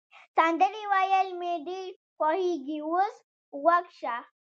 سندرې ویل مي ډېر خوښیږي، اوس غوږ شه.